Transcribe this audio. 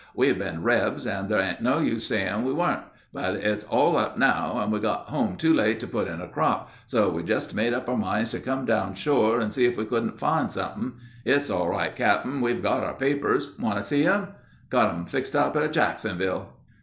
We've been rebs and there ain't no use saying we weren't; but it's all up now, and we got home too late to put in a crop, so we just made up our minds to come down shore and see if we couldn't find something. It's all right, Cap'n; we've got our papers. Want to see 'em? Got 'em fixed up at Jacksonville."